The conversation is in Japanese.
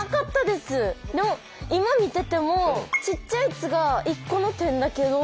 でも今見ててもちっちゃい「つ」が１個の点だけど。